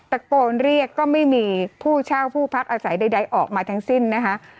ตะโกนเรียกก็ไม่มีผู้เช่าผู้พักอาศัยใดออกมาทั้งสิ้นนะคะ